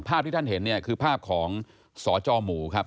ที่ท่านเห็นเนี่ยคือภาพของสจหมู่ครับ